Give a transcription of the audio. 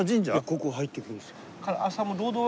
ここを入っていくんですよ。